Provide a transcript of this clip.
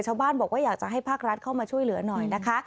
ชาวบ้านบอกว่าอยากจะให้ภาครัฐเข้ามาช่วยเหลือหน่อยนะคะ